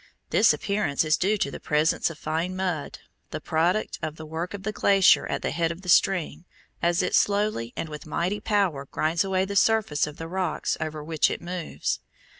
This appearance is due to the presence of fine mud, the product of the work of the glacier at the head of the stream as it slowly and with mighty power grinds away the surface of the rocks over which it moves.